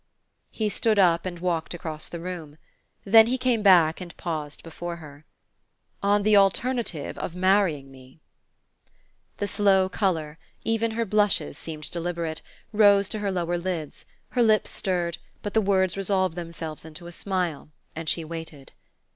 He stood up and walked across the room. Then he came back and paused before her. "On the alternative of marrying me." The slow color even her blushes seemed deliberate rose to her lower lids; her lips stirred, but the words resolved themselves into a smile and she waited.